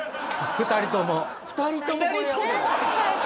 ２人とも！？